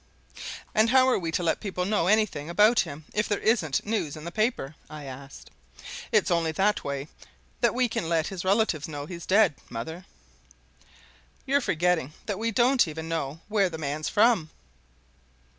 "And how are we to let people know anything about him if there isn't news in the papers?" I asked. "It's only that way that we can let his relatives know he's dead, mother. You're forgetting that we don't even know where the man's from!"